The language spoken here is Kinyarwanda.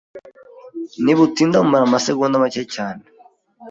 ntibutinda bumara amasegonda make cyane.